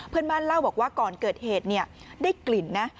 เพื่อนบ้านเล่าบอกว่าก่อนเกิดเหตุได้กลิ่นนะ